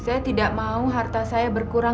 saya tidak mau harta saya berkurang